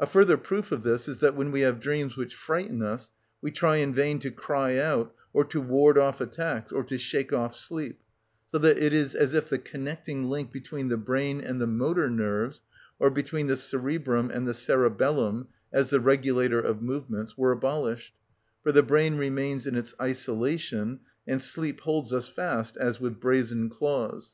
A further proof of this is that when we have dreams which frighten us we try in vain to cry out, or to ward off attacks, or to shake off sleep; so that it is as if the connecting link between the brain and the motor nerves, or between the cerebrum and the cerebellum (as the regulator of movements) were abolished; for the brain remains in its isolation and sleep holds us fast as with brazen claws.